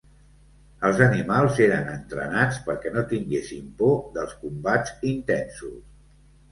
Els animals eren entrenats perquè no tinguessin por dels combats intensos.